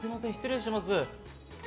失礼します。